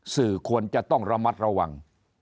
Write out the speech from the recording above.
สื่อควรจะต้องระมัดระวัง